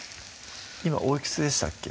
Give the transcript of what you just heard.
今おいくつでしたっけ？